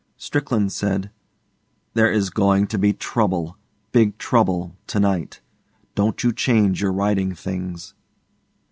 Strickland said, 'There is going to be trouble big trouble to night. Don't you change your riding things.